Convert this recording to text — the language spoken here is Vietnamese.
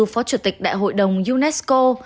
phó chủ tịch đại hội đồng unesco